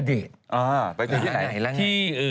ไปเจอกันที่ไหนละไง